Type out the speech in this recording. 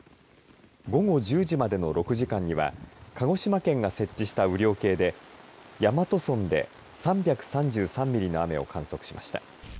午後１０時までの６時間には鹿児島県が設置した雨量計で大和村で３３３ミリの雨を観測しました。